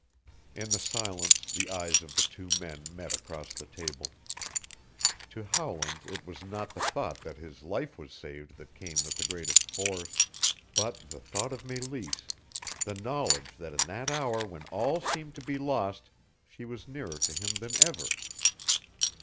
In the silence the eyes of the two men met across the table. To Howland it was not the thought that his life was saved that came with the greatest force, but the thought of Meleese, the knowledge that in that hour when all seemed to be lost she was nearer to him than ever.